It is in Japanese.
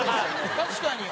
確かに！